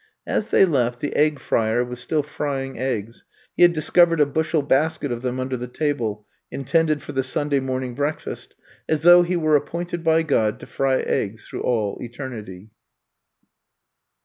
'' As they left, the Egg Frier was still fry ing eggs — he had discovered a bushel basket of them under the table, intended for the Sunday morning breakfast — as though he were appointed by God to fry eggs through all eternity.